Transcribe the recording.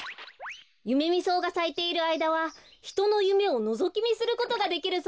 ユメミソウがさいているあいだはひとのゆめをのぞきみすることができるそうですよ。